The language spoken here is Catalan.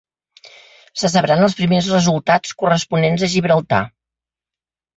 Se sabran els primers resultats, corresponents a Gibraltar.